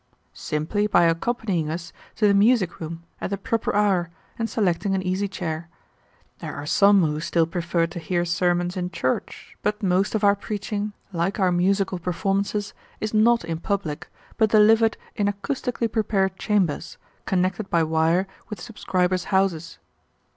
"Simply by accompanying us to the music room at the proper hour and selecting an easy chair. There are some who still prefer to hear sermons in church, but most of our preaching, like our musical performances, is not in public, but delivered in acoustically prepared chambers, connected by wire with subscribers' houses.